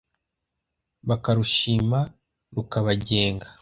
bakarushima rukabagenga